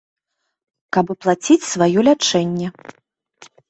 Каб аплаціць сваё лячэнне.